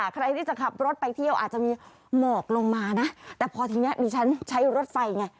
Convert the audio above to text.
ใครที่จะขับรถไปเที่ยวอาจจะมีหมอกลงมานะแต่พอทีนี้ดิฉันใช้รถไฟไง